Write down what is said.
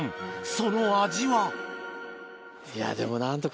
その味は？